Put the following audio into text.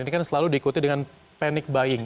ini kan selalu diikuti dengan panic buying